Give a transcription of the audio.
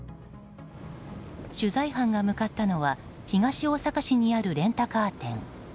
取材班が向かったのは東大阪市にあるレンタカー店。